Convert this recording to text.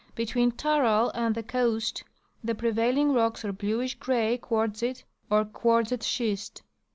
Between Taral and the coast the prevailing rocks are bluish gray quartzite or quartzite schist.